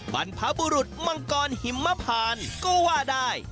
บรรพบุรุษมังกรหิมพานก็ว่าได้